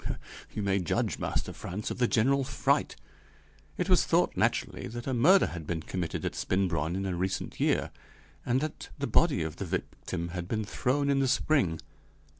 You may judge, Master Frantz, of the general fright; it was thought naturally that a murder had been committed at Spinbronn in a recent year, and that the body of the victim had been thrown in the spring.